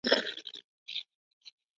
ایا ستاسو بدن چست دی؟